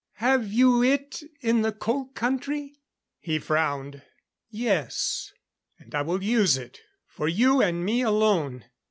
Have you it in the Cold Country?" He frowned. "Yes. And I will use it for you and me alone.